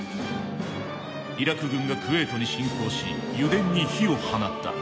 イラク軍がクウェートに侵攻し油田に火を放った。